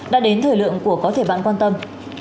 đã đến thời lượng của có thể bạn quan tâm